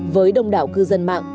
với đông đảo cư dân mạng